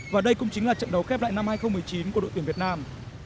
và đây cũng chính là trận đấu khép lại năm hai nghìn một mươi chín của đội tuyển việt nam